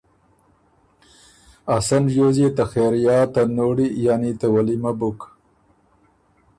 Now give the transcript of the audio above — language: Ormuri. ا سن ریوز يې ته خېریات ته نوړی یعنی ته ولیمۀ بُک۔